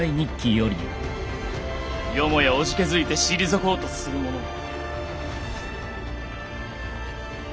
よもやおじけづいて退こうとする者は。